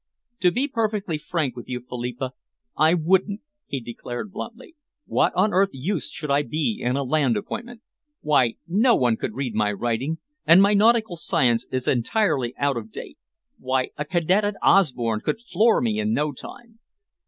"To be perfectly frank with you, Philippa, I wouldn't," he declared bluntly. "What on earth use should I be in a land appointment? Why, no one could read my writing, and my nautical science is entirely out of date. Why a cadet at Osborne could floor me in no time."